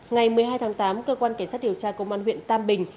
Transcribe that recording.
ngày một mươi hai tháng tám cơ quan cảnh sát điều tra công an huyện tam bình